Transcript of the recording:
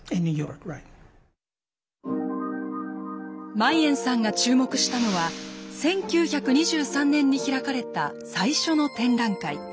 マイエンさんが注目したのは１９２３年に開かれた最初の展覧会。